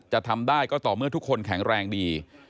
จะทำได้ก็ต่อเมื่อทุกคนแข็งแรงดี